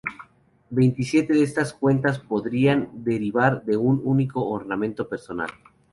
Veintisiete de estas cuentas podrían derivar de un único ornamento personal.